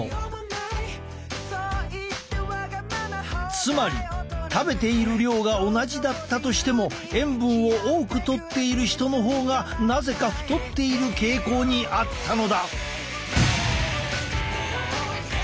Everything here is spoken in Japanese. つまり食べている量が同じだったとしても塩分を多くとっている人の方がなぜか太っている傾向にあったのだ。